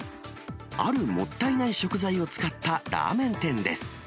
あるもったいない食材を使ったラーメン店です。